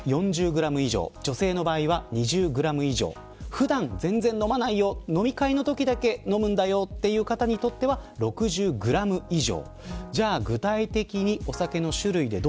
普段全然飲まないよ飲み会のときだけ、という方は６０グラム以上。